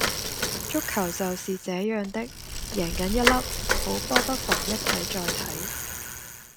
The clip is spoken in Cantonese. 足球就是這樣的,贏梗一凹,好波不妨一睇再睇